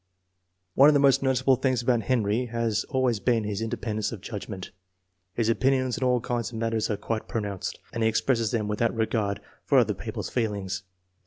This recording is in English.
One of the most noticeable things about Henry has always been his independence of judgment. His opinions on all kinds of matters are quite pronounced, and he expresses them without regard for other peo ple's feelings.